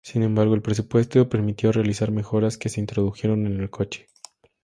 Sin embargo, el presupuesto permitió realizar mejoras que se introdujeron en el coche.